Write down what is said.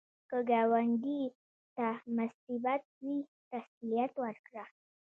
که ګاونډي ته مصیبت وي، تسلیت ورکړه